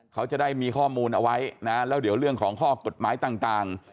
เขาจะได้มีข้อมูลเอาไว้นะแล้วเดี๋ยวเรื่องของข้อกฎหมายต่าง